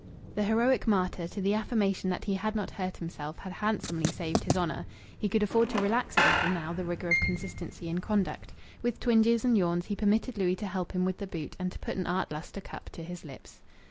The heroic martyr to the affirmation that he had not hurt himself had handsomely saved his honour. He could afford to relax a little now the rigour of consistency in conduct. With twinges and yawns he permitted Louis to help him with the boot and to put an art lustre cup to his lips.